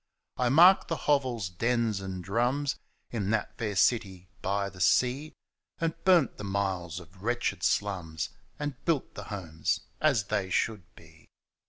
I marked the hovels, dens and drums In that fair city by the sea. And burnt the miles of wretched slums And built the homes as they should be.